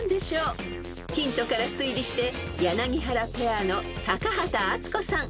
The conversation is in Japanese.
［ヒントから推理して柳原ペアの高畑淳子さん